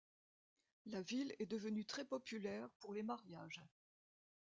La ville est devenue très populaire pour les mariages.